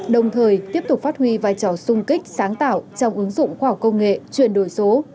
đồng thời tiếp tục phát huy vai trò sung kích sáng tạo trong ứng dụng khoa học công nghệ chuyển đổi số